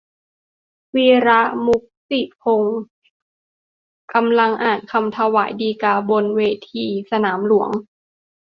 วีระ มุกสิกพงษ์ กำลังอ่านคำถวายฎีกา บนเวทีสนามหลวง